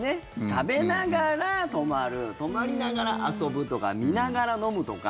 食べながら、泊まる泊まりながら、遊ぶとか見ながら、飲むとか。